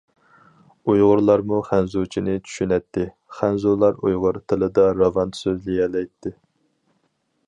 ئۇيغۇرلارمۇ خەنزۇچىنى چۈشىنەتتى، خەنزۇلار ئۇيغۇر تىلىدا راۋان سۆزلىيەلەيتتى.